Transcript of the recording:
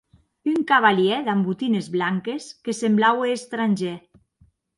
Un cavalièr damb botines blanques que semblaue estrangèr.